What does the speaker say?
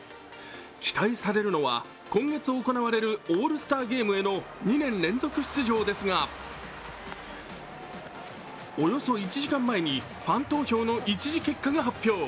期待されるのは今月行われるオールスターゲームへの２年連続出場ですがおよそ１時間前にファン投票の１次結果が発表。